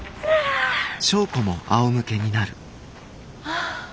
ああ。